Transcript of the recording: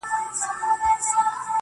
د وحشت؛ په ښاریه کي زندگي ده.